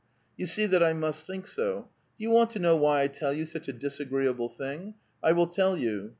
You see that I must think so? Do you want to know why I tell you such a disagreeable thing? I will tell you.